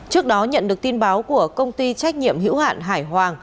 trước đó nhận được tin báo của công ty trách nhiệm hữu hạn hải hoàng